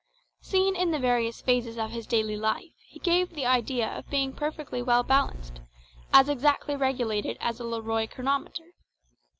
Seen in the various phases of his daily life, he gave the idea of being perfectly well balanced, as exactly regulated as a Leroy chronometer.